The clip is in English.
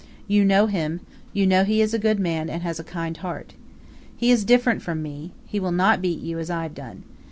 You know him; you know he is a good man, and has a kind heart. He is different from me; he will not beat you, as I have done.